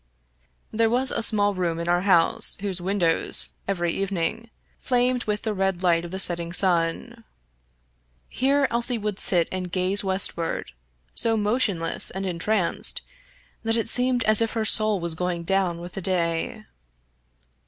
There was a small room in our house whose win dows, every evening, flamed with the red light of the set ting sun. Here Elsie would sit and gaze westward, so mo tionless and entranced that it seemed as if her soul was going down with the day.